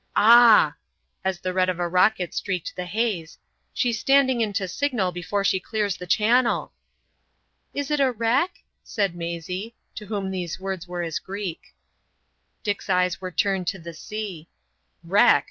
Ah!" as the red of a rocket streaked the haze, "she's standing in to signal before she clears the Channel." "Is it a wreck?" said Maisie, to whom these words were as Greek. Dick's eyes were turned to the sea. "Wreck!